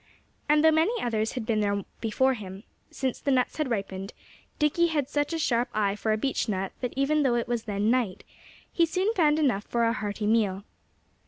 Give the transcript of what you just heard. And though many others had been there before him, since the nuts had ripened, Dickie had such a sharp eye for a beech nut that even though it was then night, he soon found enough for a hearty meal.